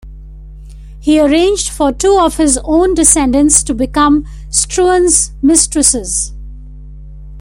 He arranged for two of his own descendants to become Struan's misstresses.